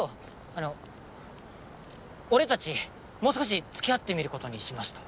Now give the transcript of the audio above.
あの俺たちもう少しつきあってみることにしました